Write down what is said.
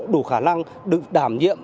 đủ khả năng được đảm nhiệm